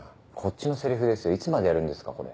いつまでやるんですかこれ。